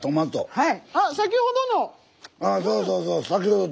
はい。